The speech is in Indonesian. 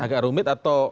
agak rumit atau